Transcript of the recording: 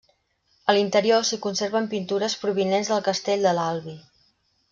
A l'interior s'hi conserven pintures provinents del castell de l'Albi.